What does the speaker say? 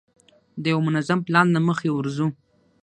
د یوه منظم پلان له مخې ورځو.